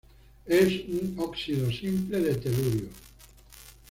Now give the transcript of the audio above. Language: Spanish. Es un óxido simple de telurio.